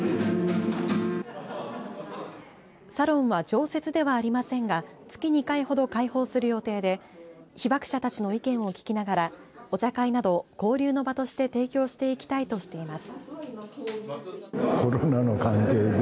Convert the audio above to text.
サロンは常設ではありませんが月２回ほど開放する予定で被爆者たちの意見を聞きながらお茶会など交流の場として提供していきたいとしています。